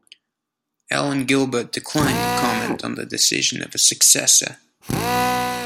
Alan Gilbert declined to comment on the decision of his successor.